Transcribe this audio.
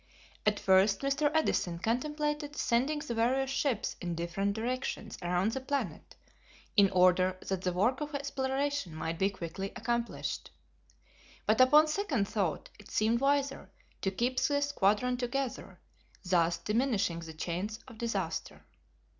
At first Mr. Edison contemplated sending the various ships in different directions around the planet in order that the work of exploration might be quickly accomplished. But upon second thought it seemed wiser to keep the squadron together, thus diminishing the chance of disaster.